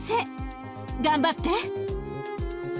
頑張って！